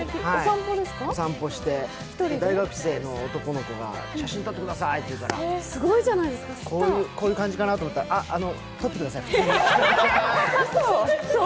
お散歩して、大学生の男の子が写真撮ってくださいって言うから、こういう感じかなと思ったら、あ、あの撮ってください、普通に。